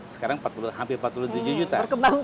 sekarang hampir empat puluh tujuh juta